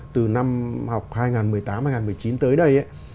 từ năm học hai nghìn một mươi tám hai nghìn một mươi chín tới đây